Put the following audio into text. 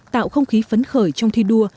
tạo không khí phấn khởi trong thi đua